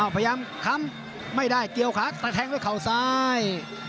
พยายามค้ำไม่ได้เกี่ยวขาตะแทงด้วยเข่าซ้าย